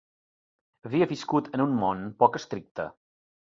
Havia viscut en un món poc estricte.